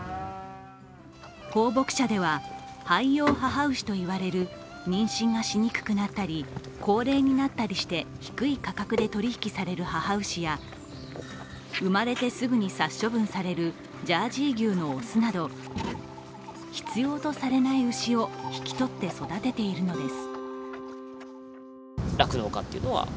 宝牧舎では、廃用母牛といわれる妊娠がしにくくなったり、高齢になったりして低い価格で取り引きされる母牛や生まれてすぐに殺処分されるジャージー牛の雄など必要とされない牛を引き取って育てているのです。